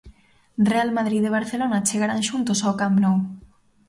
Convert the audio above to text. Real Madrid e Barcelona chegarán xuntos ao Camp Nou.